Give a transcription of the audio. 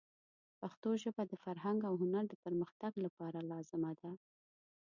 پښتو ژبه د فرهنګ او هنر د پرمختګ لپاره لازمه ده.